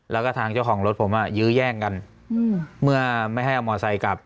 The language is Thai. แล้วก็ทางเจ้าของรถผมอ่ะยื้อแย่งกันเมื่อไม่ให้เอามอไซค์กลับ